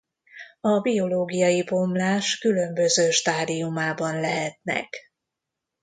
A biológiai bomlás különböző stádiumában lehetnek.